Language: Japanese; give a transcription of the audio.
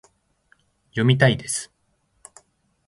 読みたいです